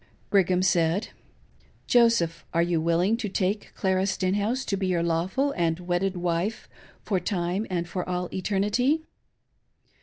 Brigham said :" Joseph, are you willing to take Clara Stenhouse to be your lawful and wedded wife for time and for all eternity